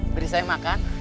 beri saya makan